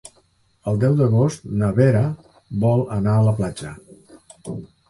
El deu d'agost na Vera vol anar a la platja.